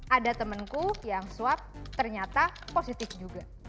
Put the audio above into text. ada temenku yang swab ternyata positif juga